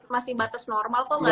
masih batas normal kok